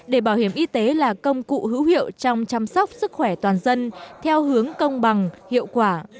để bảo hiểm y tế là công cụ hữu hiệu trong chăm sóc sức khỏe toàn dân theo hướng công bằng hiệu quả